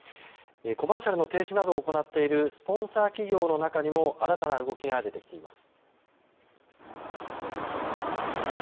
コマーシャルの停止などを行っているスポンサー企業の中にも新たな動きが出てきています。